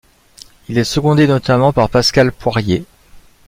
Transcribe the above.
Il est secondé notamment par Pascal Poirier.